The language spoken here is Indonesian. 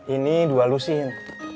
ini dua lusin